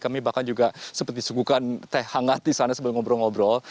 kami bahkan juga sempat disuguhkan teh hangat di sana sebelum ngobrol ngobrol